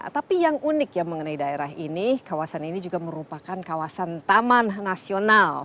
tapi yang unik ya mengenai daerah ini kawasan ini juga merupakan kawasan taman nasional